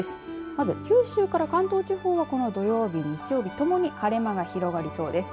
まず、九州から関東地方はこの土曜日、日曜日ともに晴れ間が広がりそうです。